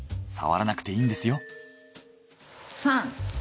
触らなくていいんですよ。